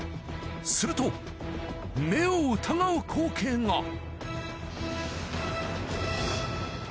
すると目を疑う光景が。